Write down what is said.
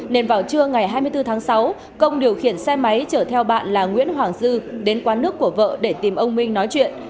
nên vào trưa ngày hai mươi bốn tháng sáu công điều khiển xe máy chở theo bạn là nguyễn hoàng dư đến quán nước của vợ để tìm ông minh nói chuyện